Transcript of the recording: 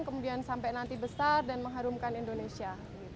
kemudian sampai nanti besar dan mengharumkan indonesia